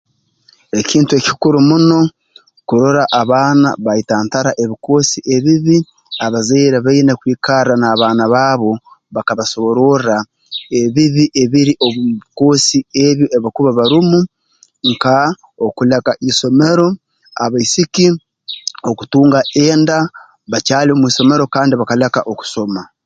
Ekintu ekikuru muno kurora abaana baayetantara ebikoosi ebibi abazaire baine kwikarra n'abaana baabo bakasobororra ebibi ebiri omu bikoosi ebi ebi bakuba barumu nka okuleka isomero abaisiki okutunga enda bakyali mu isomero kandi bakaleka okusoma